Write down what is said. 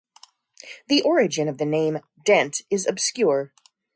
The origin of the name "Dent" is obscure.